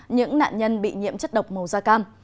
những nạn nhân bị nhiễm chất độc màu da cam